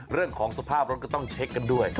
เรื่องของสภาพรถก็ต้องเช็คกันด้วย